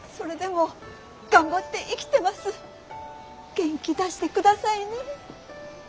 元気出してくださいね。